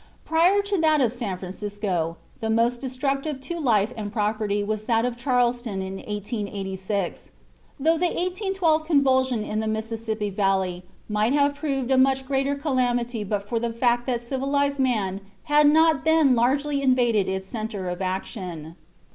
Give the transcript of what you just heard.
Prior to that of San Francisco, the most destructive to life and property was that of Charleston in 1886, though the 1812 convulsion in the Mississippi Valley might have proved a much greater calamity but for the fact that civilized man had not then largely invaded its centre of action.